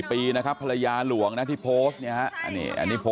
ดูท่าทางฝ่ายภรรยาหลวงประธานบริษัทจะมีความสุขที่สุดเลยนะเนี่ย